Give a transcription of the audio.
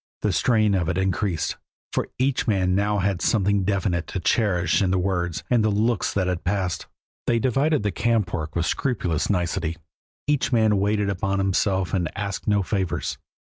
The strain of it increased, for each man now had something definite to cherish in the words and the looks that had passed. They divided the camp work with scrupulous nicety, each man waited upon himself and asked no favors.